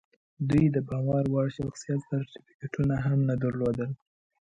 دوی د باور وړ شخصیت سرټیفیکټونه هم نه درلودل